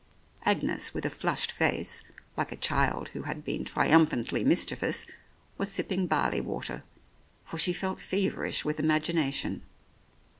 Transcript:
Agnes, with a flushed face, like a child Who had been triumphantly mis chievous, was sipping barley water, for she felt feverish with imagination.